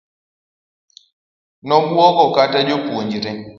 Nobuogo kata jopuonje.